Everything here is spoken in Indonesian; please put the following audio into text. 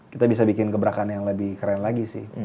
kita bisa bikin gebrakan yang lebih keren lagi sih